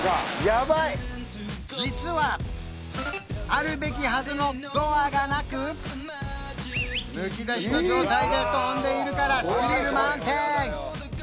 やばいあるべきはずのドアがなくむき出しの状態で飛んでいるからスリル満点！